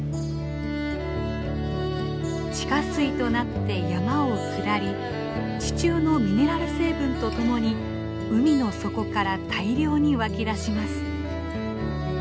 地下水となって山を下り地中のミネラル成分と共に海の底から大量に湧き出します。